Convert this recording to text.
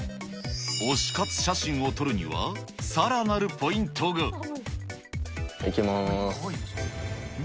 推し活写真を撮るには、いきます。